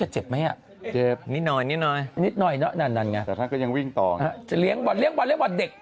จะเลี้ยงบอลเลี้ยงบอลเลี้ยงบอลเด็ก